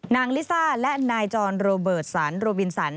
ลิซ่าและนายจรโรเบิร์ตสันโรบินสัน